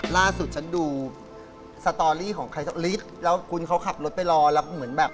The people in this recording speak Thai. ล่าสุดฉันดูสตอรี่ของใครสักลิดแล้วคุณเขาขับรถไปรอแล้วเหมือนแบบ